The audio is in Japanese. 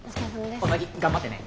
頑張ってね。